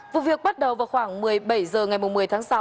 vụ việc bắt đầu vào khoảng một mươi bảy h ngày một mươi tháng sáu